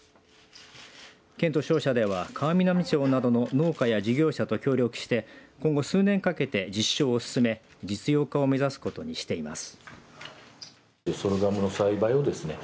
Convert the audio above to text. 県と商社では川南町などの農家や事業者と協力して今後数年かけて実施をすすめ実用化を目指すことにしています。